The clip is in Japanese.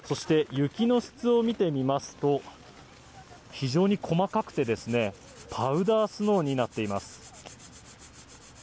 雪の質を見てみますと非常に細かくてパウダースノーになっています。